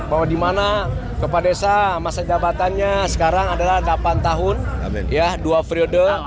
bahwa di mana kepala desa masa jabatannya sekarang adalah delapan tahun ya dua periode